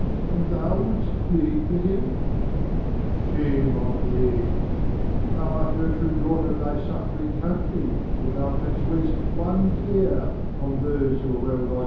And thou wouldst plead for him! Shame on thee! Thou art no true daughter of thy suffering country if thou canst waste one tear on those who were well lodged in our most dreary dungeons.